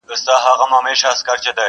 په کندهار کي به د سید عبدالرحمن شاه اغا.